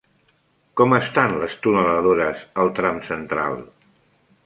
Com estan les tuneladores al tram central?